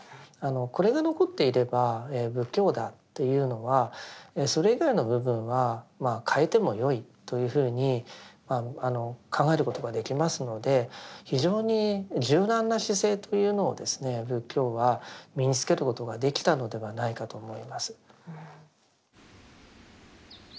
これが残っていれば仏教だというのはそれ以外の部分はまあ変えてもよいというふうに考えることができますので非常に柔軟な姿勢というのを仏教は身につけることができたのではないかと思います。